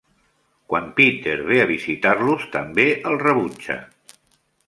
Quan Peter ve a visitar-los, també el rebutja.